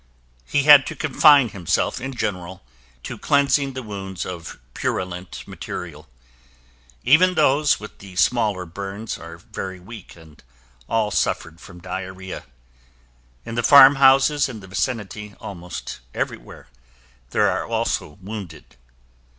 He had to confine himself in general to cleansing the wounds of purulent material. Even those with the smaller burns are very weak and all suffered from diarrhea. In the farm houses in the vicinity, almost everywhere, there are also wounded.